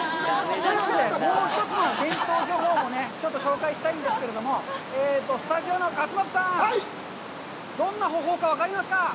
というわけで、もう一つの伝統漁法を紹介したいんですけども、スタジオの勝俣さん、どんな方法か分かりますか？